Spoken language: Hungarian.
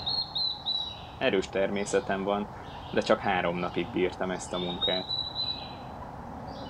Erős természetem van, de csak három napig bírtam ezt a munkát.